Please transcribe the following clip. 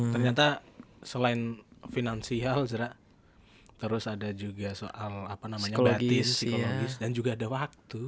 ternyata selain finansial terus ada juga soal batis psikologis dan juga ada waktu